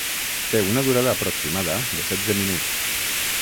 Té una durada aproximada de setze minuts.